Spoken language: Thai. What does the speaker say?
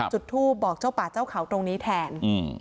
จุดทูปบอกเจ้าป่าเจ้าเขาตรงนี้แทน